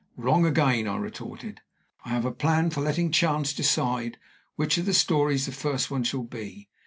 "Wrong again," I retorted. "I have a plan for letting chance decide which of the stories the first one shall be.